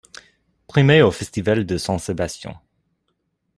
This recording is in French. Primé au festival de San Sébastian.